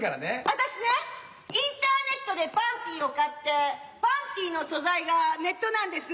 私ねインターネットでパンティーを買ってパンティーの素材がネットなんです。